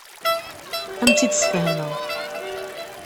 Ad am-tt-id-sfehmeɣ.